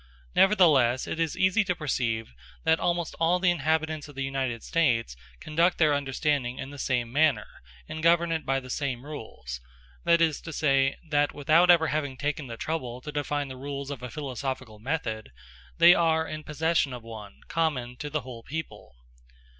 Nevertheless it is easy to perceive that almost all the inhabitants of the United States conduct their understanding in the same manner, and govern it by the same rules; that is to say, that without ever having taken the trouble to define the rules of a philosophical method, they are in possession of one, common to the whole people.